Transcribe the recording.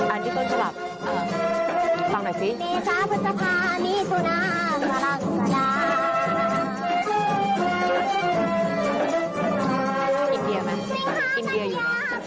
อ่านที่ต้นฉบับฟังหน่อยสิ